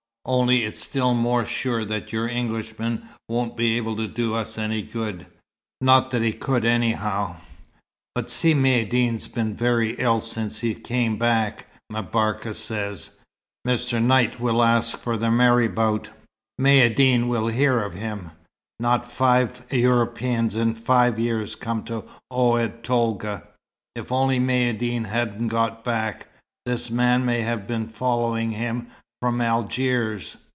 Only it's still more sure that your Englishman won't be able to do us any good. Not that he could, anyhow." "But Si Maïeddine's been very ill since he came back, M'Barka says. Mr. Knight will ask for the marabout." "Maïeddine will hear of him. Not five Europeans in five years come to Oued Tolga. If only Maïeddine hadn't got back! This man may have been following him, from Algiers.